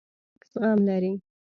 خو خلک زغم لري.